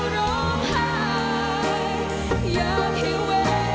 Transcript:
แล้ว